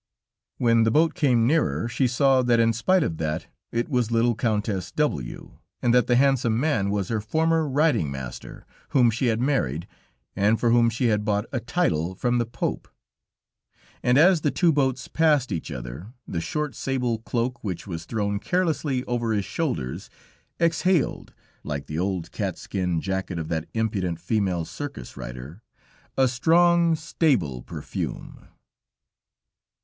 When the boat came nearer, she saw that in spite of that, it was little Countess W and that the handsome man was her former riding master, whom she had married, and for whom she had bought a title from the Pope; and as the two boats passed each other, the short sable cloak, which was thrown carelessly over his shoulders, exhaled, like the old cat's skin jacket of that impudent female circus rider, a strong stable perfume.